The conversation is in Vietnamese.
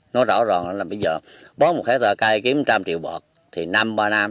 nói rõ ràng là bây giờ bó một cái cháy cây kiếm một trăm linh triệu bọt thì năm ba năm